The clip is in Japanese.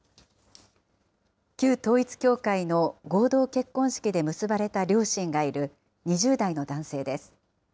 旧統一教会の合同結婚式で結ばれた両親がいる２０代の男性です。